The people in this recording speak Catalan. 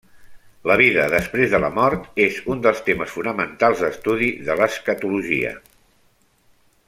La vida després de la mort és un dels temes fonamentals d'estudi de l'escatologia.